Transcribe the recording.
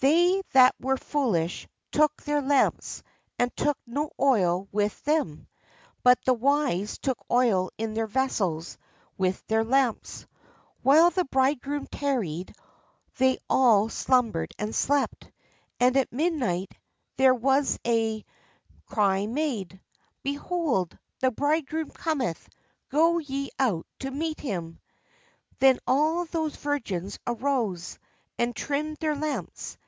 They that were foolish took their lamps, and took no oil with them. But the wise took oil in their vessels with their lamps. While the bridegroom tarried, they all slumbered and slept. And at midnight there was a 'Five of them were wise and five were foolish." THE WISE AND THE FOOLISH VIRGINS cry made: "Behold, the bridegroom cometh; go ye out to meet him." Then all those virgins arose, and trimmed their lamps.